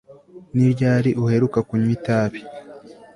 Ni ryari uheruka kunywa itabi